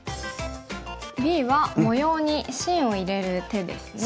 Ｂは模様に芯を入れる手ですね。